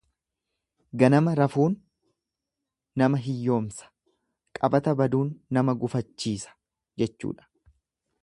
Ganama rafuun nama hiyyoomsa qabata baduun nama gufachiisa jechuudha.